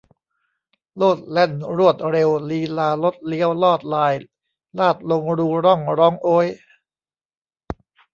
โลดแล่นรวดเร็วลีลาลดเลี้ยวลอดลายลาดลงรูร่องร้องโอ๊ย